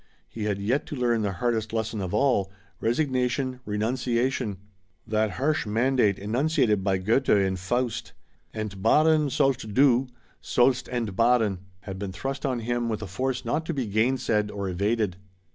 He had yet to learn the hardest lesson of all, resignation, renunciation. That harsh mandate enunciated by Goethe in Faust: "Entbären sollst du, sollst entbären," had been thrust on him with a force not to be gainsaid or evaded.